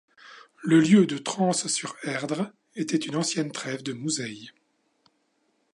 Le lieu de Trans-sur-Erdre était une ancienne trève de Mouzeil.